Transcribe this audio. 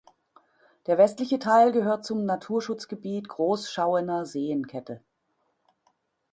Der westliche Teil gehört zum Naturschutzgebiet Groß Schauener Seenkette.